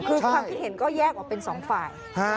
คือความคิดเห็นก็แยกออกเป็นสองฝ่าย